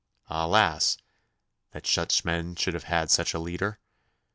Alas, that such men should have had such a leader!